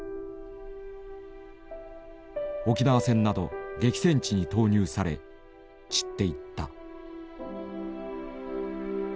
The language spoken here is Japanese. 沖縄戦など激戦地に投入され散っていった。